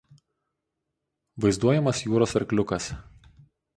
Vaizduojamas jūros arkliukas.